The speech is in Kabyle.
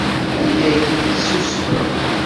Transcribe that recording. Anda ay tent-tessusfem?